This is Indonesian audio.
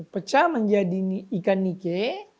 pecah menjadi ikan ike